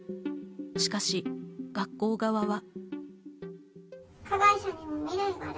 しかし、学校側は。